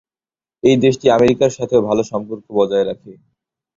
এই দেশটি আমেরিকার সাথেও ভালো সম্পর্ক বজায় রাখে।